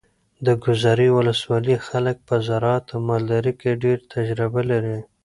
د ګذرې ولسوالۍ خلک په زراعت او مالدارۍ کې ډېره تجربه لري.